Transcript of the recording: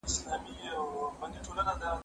ايا ته ليکنه کوې،